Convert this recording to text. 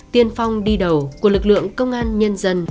tiên phong đi đầu của lực lượng công an nhân dân